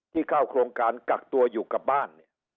ที่เข้าโครงการกักตัวอยู่กับบ้าน